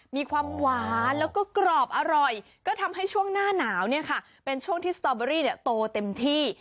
มีความหวานแล้วก็กรอบอร่อยก็ทำให้ช่วงหน้าหนาวเนี่ยค่ะเป็นช่วงที่สตอเบอรี่โตเต็มที่